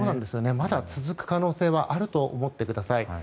まだ続く可能性はあると思ってください。